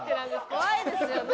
怖いですよね。